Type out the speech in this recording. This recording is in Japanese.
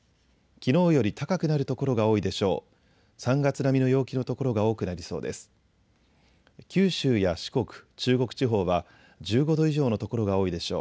きのうより高くなる所が多いでしょう。